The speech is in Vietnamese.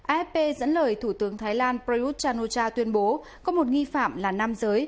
afp dẫn lời thủ tướng thái lan prayuth chan o cha tuyên bố có một nghi phạm là nam giới